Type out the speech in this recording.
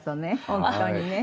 本当にね。